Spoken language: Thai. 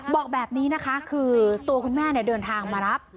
บอกแบบนี้นะคะคือตัวคุณแม่เดินทางมารับ